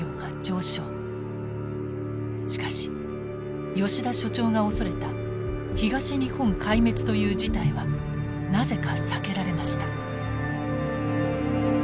しかし吉田所長が恐れた東日本壊滅という事態はなぜか避けられました。